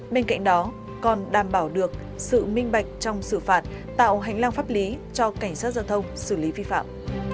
bên cạnh đó còn đảm bảo được sự minh bạch trong xử phạt tạo hành lang pháp lý cho cảnh sát giao thông xử lý vi phạm